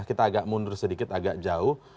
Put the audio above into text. kita agak mundur sedikit agak jauh